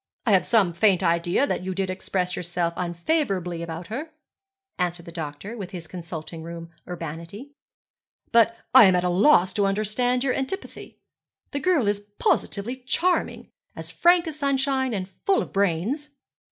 'I have some faint idea that you did express yourself unfavourably about her,' answered the doctor, with his consulting room urbanity, 'but I am at a loss to understand your antipathy. The girl is positively charming, as frank as the sunshine, and full of brains.'